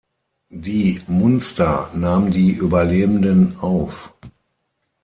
Die "Munster" nahm die Überlebenden auf.